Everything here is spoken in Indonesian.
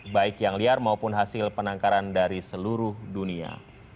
baik yang liar maupun hasil penangkaran dari seluruh dunia